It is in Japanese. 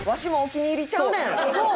そう！